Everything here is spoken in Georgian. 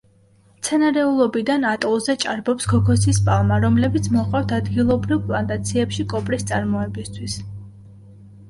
მცენარეულობიდან ატოლზე ჭარბობს ქოქოსის პალმა, რომლებიც მოჰყავთ ადგილობრივ პლანტაციებში კოპრის წარმოებისთვის.